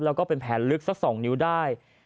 แล้วก็เป็นแผลลึกสัก๒นิ้วได้